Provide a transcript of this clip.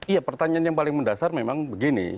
iya pertanyaan yang paling mendasar memang begini